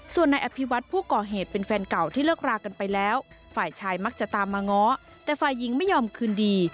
ส่วนนายอภิวัตผู้ก่อเหตุเป็นแฟนเก่าที่เลิกรากันไปแล้วฝ่ายชายมักจะตามมาง้อแต่ฝ่ายหญิงไม่ยอมคืนดี